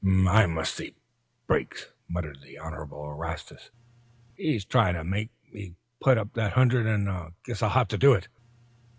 "I must see Briggs," muttered the Honorable Erastus. "He's tryin' to make me put up that hundred an' I guess I'll have to do it."